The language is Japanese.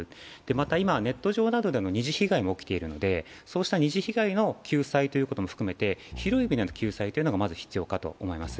また、今、ネット上などでも二次被害が起きているのでそうした二次被害の救済も含めて広い意味の救済が必要かと思います。